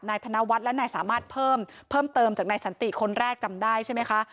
ธนวัฒน์และนายสามารถเพิ่มเพิ่มเติมจากนายสันติคนแรกจำได้ใช่ไหมคะ